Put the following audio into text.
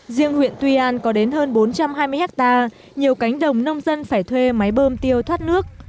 riêng huyện tuy an có đến hơn bốn trăm hai mươi hectare nhiều cánh đồng nông dân phải thuê máy bơm tiêu thoát nước